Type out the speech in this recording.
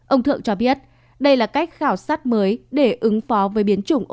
ông thượng cho biết đây là cách khảo sát mới để ứng dụng